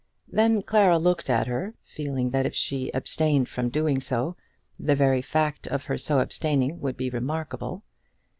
Then Clara looked at her, feeling that if she abstained from doing so, the very fact of her so abstaining would be remarkable.